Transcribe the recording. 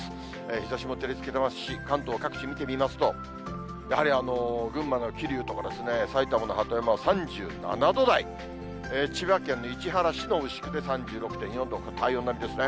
日ざしも照りつけてますし、関東各地見てみますと、やはり群馬の桐生とか埼玉の鳩山は３７度台、千葉県の市原市の牛久で３６．４度、体温並みですね。